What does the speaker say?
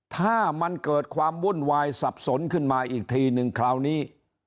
ถ้ามันเกิดความวุ่นวายสับสนขึ้นมาอีกทีนึงคราวนี้